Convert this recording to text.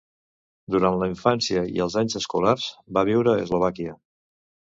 Durant la infància i els anys escolars va viure a Eslovàquia.